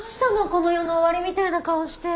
この世の終わりみたいな顔して。